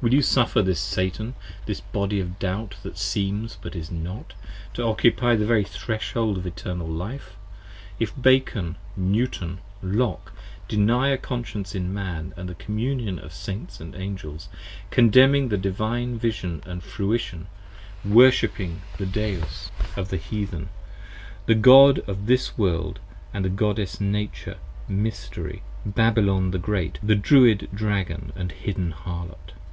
20 Will you suffer this Satan, this Body of Doubt that Seems but Is Not, To occupy the very threshold of Eternal Life, if Bacon, Newton, Locke, Deny a Conscience in Man & the Communion of Saints & Angels; Contemning the Divine Vision & Fruition, Worshipping the Deus Of the Heathen, The God of This World, & the Goddess Nature, 25 Mystery, Babylon the Great, The Druid Dragon & hidden Harlot.